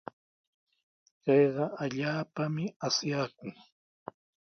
Kayqa allaapami asyaakun.